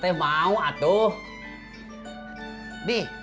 loh apa ini